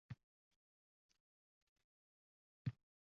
u bilan bekorga shartnoma tuzganman, deb hisoblayman.